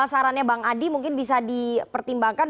sarannya bang adi mungkin bisa dipertimbangkan